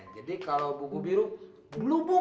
jadi kalau buku biru blue book